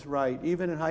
masih tidak ada bank